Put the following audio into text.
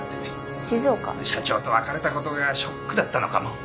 社長と別れたことがショックだったのかも。